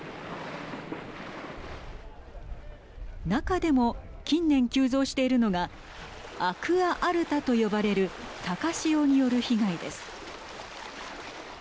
中でも近年、急増しているのがアクア・アルタと呼ばれる高潮による被害です。